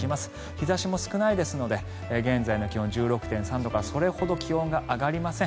日差しも少ないですので現在の１６．３度からそれほど気温が上がりません。